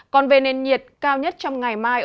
còn về nền nhiệt cao nhất trong ngày mai